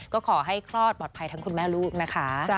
ก็ขอให้คลอดปลอดภัยทั้งคุณแม่ลูกนะคะ